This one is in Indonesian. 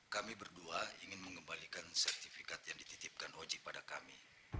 kami berdua ingin mengembalikan sertifikat yang dititipkan oji pada kami